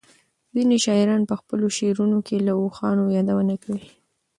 ځینې شاعران په خپلو شعرونو کې له اوښانو یادونه کوي.